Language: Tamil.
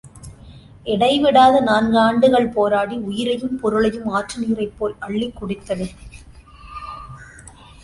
இடைவிடாது நான்கு ஆண்டுகள் போராடி உயிரையும் பொருளையும் ஆற்று நீரைப்போல் அள்ளிக்குடித்தன.